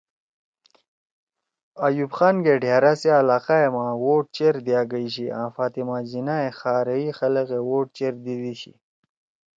ایوب خان گے ڈھأرا سی علاقہ ئے ما ووٹ چیر دیا گئی شی آں فاطمہ جناح ئے خاریئی خلگ ئے ووٹ چیر دیِدی شی